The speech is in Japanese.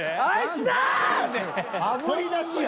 あぶり出しや。